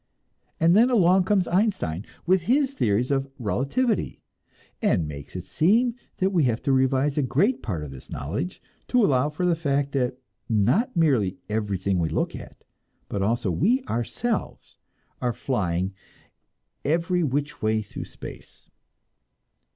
And then along comes Einstein, with his theories of "relativity," and makes it seem that we have to revise a great part of this knowledge to allow for the fact that not merely everything we look at, but also we ourselves, are flying every which way through space!